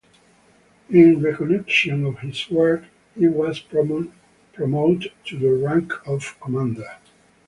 In recognition of his work he was promoted to the rank of Commander.